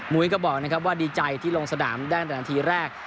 มุ้ยก็บอกว่าดีใจที่ลงสะดามได้ตั้งแต่นาทีแรก